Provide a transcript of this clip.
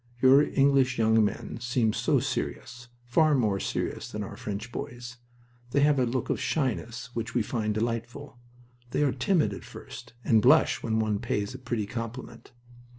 Your English young men seem so serious, far more serious than our French boys. They have a look of shyness which we find delightful. They are timid, at first, and blush when one pays a pretty compliment.